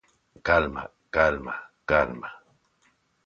Calma, calma, calma.